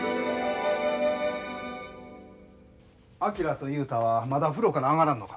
昭と雄太はまだ風呂から上がらんのか。